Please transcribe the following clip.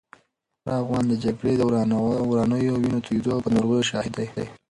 هر افغان د جګړې د ورانیو، وینو تویېدو او بدمرغیو شاهد دی.